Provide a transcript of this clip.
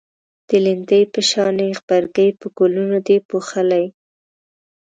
د لیندۍ په شانی غبرگی په گلونو دی پوښلی